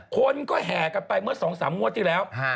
คนก็แห่กันไปเมื่อ๒๓งวดที่แล้ว